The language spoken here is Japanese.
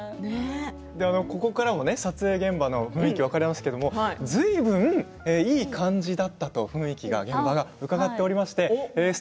ここからは撮影現場の雰囲気は分かりますがずいぶんいい感じだったと雰囲気が、現場がと伺っています。